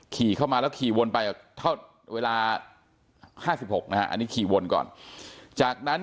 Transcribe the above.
ขี่เข้ามาแล้วขี่วนไปเวลาห้าสิบหกนะฮะอันนี้ขี่วนก่อนจากนั้น